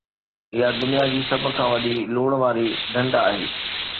اها دنيا جي سڀ کان وڏي لوڻ واري ڍنڍ آهي